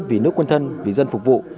vì nước quân thân vì dân phục vụ